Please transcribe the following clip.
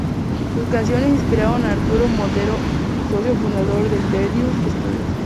Sus canciones inspiraron a Arturo Monedero, socio fundador de Delirium studios.